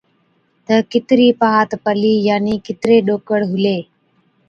تہ ڪِترِي پَھات پلِي، يعني ڪِتري ڏوڪڙ ھُلي